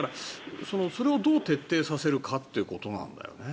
それをどう徹底させるかということだよね。